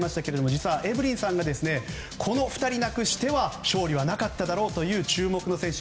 実はエブリンさんがこの２人なくしては勝利はなかっただろうという注目の選手